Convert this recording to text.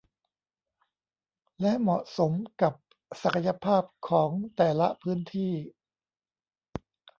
และเหมาะสมกับศักยภาพของแต่ละพื้นที่